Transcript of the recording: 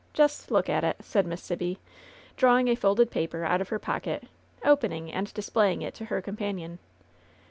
Jest look at it !" said Miss Sibby, drawing a folded paper out of her pocket, opening and displaying it to her companion.